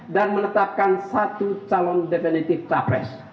dan menetapkan satu calon definitif tapres